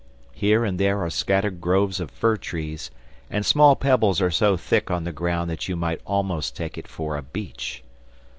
Here and there are scattered groves of fir trees, and small pebbles are so thick on the ground that you might almost take it for a beach.